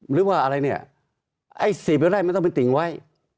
หรือว่าอะไรเนี่ยไอ้๔๐ไร่มันต้องไปติ่งไว้